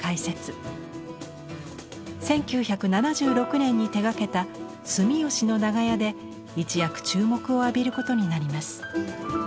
１９７６年に手がけた「住吉の長屋」で一躍注目を浴びることになります。